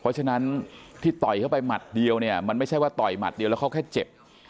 เพราะฉะนั้นที่ต่อยเข้าไปหมัดเดียวเนี่ยมันไม่ใช่ว่าต่อยหมัดเดียวแล้วเขาแค่เจ็บ